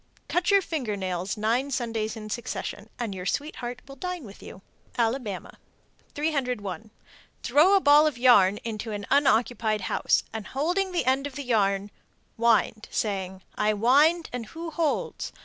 Cut your finger nails nine Sundays in succession, and your sweetheart will dine with you. Alabama. 301. Throw a ball of yarn into an unoccupied house, and holding the end of the yarn, wind, saying, "I wind and who holds?"